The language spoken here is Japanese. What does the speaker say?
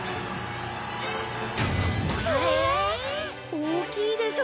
大きいでしょ？